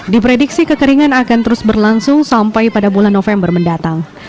diprediksi kekeringan akan terus berlangsung sampai pada bulan november mendatang